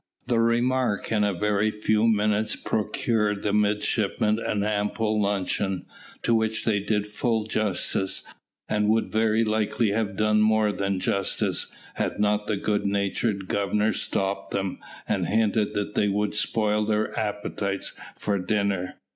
The remark in a very few minutes procured the midshipmen an ample luncheon, to which they did full justice, and would very likely have done more than justice, had not the good natured Governor stopped them, and hinted that they would spoil their appetites for dinner.